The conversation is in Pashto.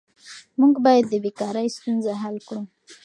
موږ باید د بیکارۍ ستونزه حل کړو.